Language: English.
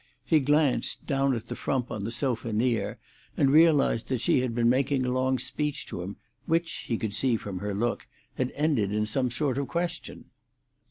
He glanced, down at the frump on the sofa near, and realised that she had been making a long speech to him, which, he could see from her look, had ended in some sort of question.